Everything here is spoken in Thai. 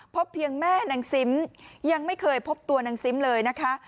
เพียงแม่นางซิมยังไม่เคยพบตัวนางซิมเลยนะคะ